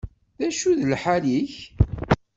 D acu d lḥal-ik?